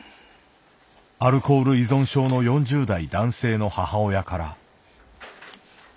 アルコール依存症の４０代男性の母親から。